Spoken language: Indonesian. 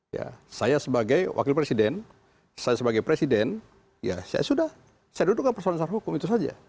ya saya sebagai wakil presiden saya sebagai presiden ya saya sudah saya dudukkan persoalan secara hukum itu saja